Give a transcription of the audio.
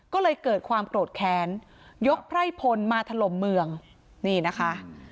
ก็เลยเกิดความโกรธแค้นยกไพร่พลมาถล่มเมืองนี่นะคะ